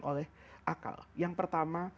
oleh akal yang pertama